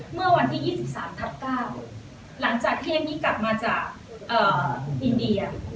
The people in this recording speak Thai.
เมื่อวันที่๒๓ทับ๙หลังจากที่เอ็มมี่กลับมาจากอ่าอินเดีย